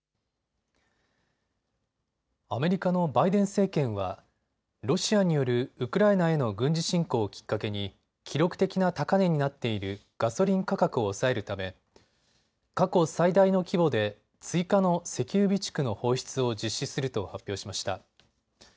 アメリカのバイデン政権はロシアによるウクライナへの軍事侵攻をきっかけに記録的な高値になっているガソリン価格を抑えるため過去最大の規模で追加の石油備蓄の放出を実施すると発表しました。